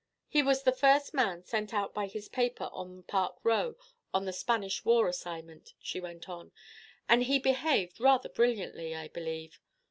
"He was the first man sent out by his paper on Park Row on the Spanish War assignment," she went on, "and he behaved rather brilliantly, I believe.